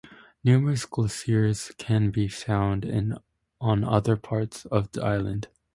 Numerous glaciers can be found on other parts of the island.